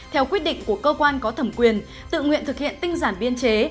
theo quyết định của cơ quan có thẩm quyền tự nguyện thực hiện tinh giản biên chế